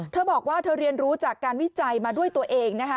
เธอบอกว่าเธอเรียนรู้จากการวิจัยมาด้วยตัวเองนะคะ